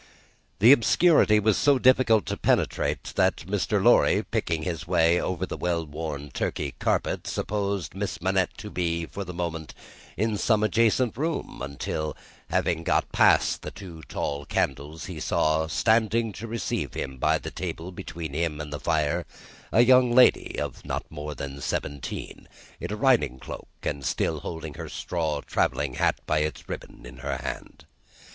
The obscurity was so difficult to penetrate that Mr. Lorry, picking his way over the well worn Turkey carpet, supposed Miss Manette to be, for the moment, in some adjacent room, until, having got past the two tall candles, he saw standing to receive him by the table between them and the fire, a young lady of not more than seventeen, in a riding cloak, and still holding her straw travelling hat by its ribbon in her hand.